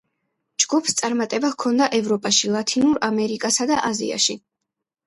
ჯგუფს წარმატება ჰქონდა ევროპაში, ლათინურ ამერიკასა და აზიაში.